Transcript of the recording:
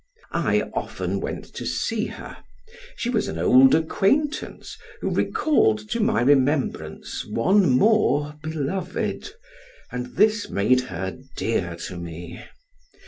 I often went to see her; she was an old acquaintance, who recalled to my remembrance one more beloved, and this made her dear to me.